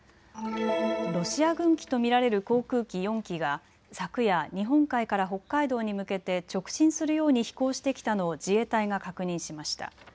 ロシア軍機と見られる航空機４機が昨夜、日本海から北海道に向けて直進するように飛行してきたのを自衛隊が確認しました。